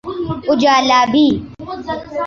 اجالا بھی۔